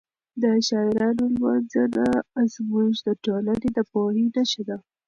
د شاعرانو لمانځنه زموږ د ټولنې د پوهې نښه ده.